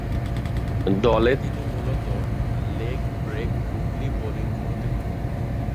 দলে তিনি মূলতঃ লেগ ব্রেক গুগলি বোলিং করতেন।